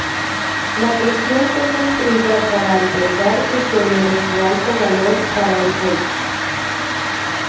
La prisión fue construida para albergar prisioneros de alto valor para el Reich.